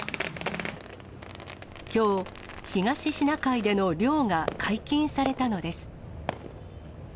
きょう、東シナ海での漁が解禁されたのです。